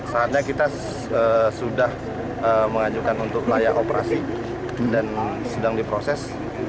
saatnya kita sudah mengajukan untuk layak operasi dan sedang diproses